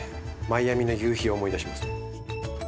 マイアミの夕日を思い出しますね。